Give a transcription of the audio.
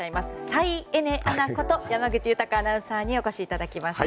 再エネアナこと山口豊アナウンサーにお越しいただきました。